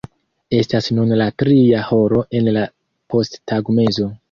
Estas nun la tria horo en la posttagmezo.